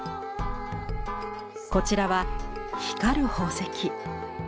こちらは光る宝石。